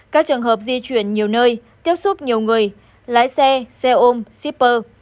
các trường hợp di chuyển nhiều nơi tiếp xúc nhiều người lái xe xe ôm shipper